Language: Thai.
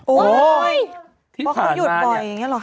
โอ้ยที่ผ่านมาเนี่ย